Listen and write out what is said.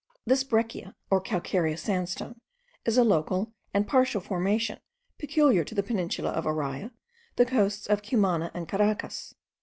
This breccia, or calcareous sandstone, is a local and partial formation, peculiar to the peninsula of Araya, the coasts of Cumana, and Caracas.